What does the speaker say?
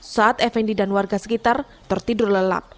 saat effendi dan warga sekitar tertidur lelap